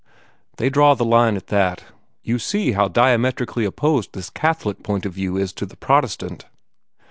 They draw the line at that. You see how diametrically opposed this Catholic point of view is to the Protestant."